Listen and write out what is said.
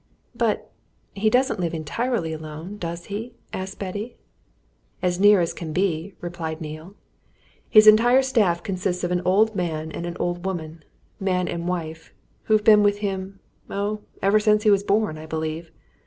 "But he doesn't live entirely alone, does he?" asked Betty. "As near as can be," replied Neale. "His entire staff consists of an old man and an old woman man and wife who've been with him oh, ever since he was born, I believe!